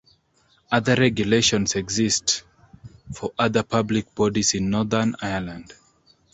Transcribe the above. Other regulations exist for other public bodies in Northern Ireland.